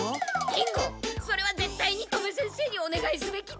金吾それはぜったいに戸部先生におねがいすべきだよ！